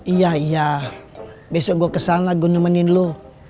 iya iya besok gua kesana gua nemenin lu